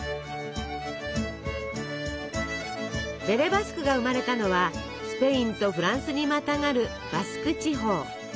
ベレ・バスクが生まれたのはスペインとフランスにまたがるバスク地方。